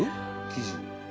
生地。